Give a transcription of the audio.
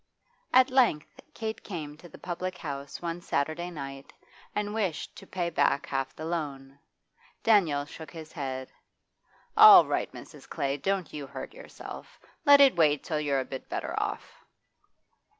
At length Kate came to the public house one Saturday night and wished to pay back half the loan. Daniel shook his head. 'All right, Mrs. Clay; don't you hurt yourself. Let it wait till you're a bit better off.